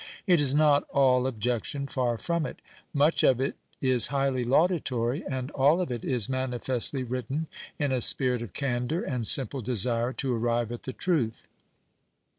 It is not all objec tion, far from it ; much of it is highly laudatory, and all of it is manifestly WTittcn in a sj^irit of candour and simple desire to arrive at the truth.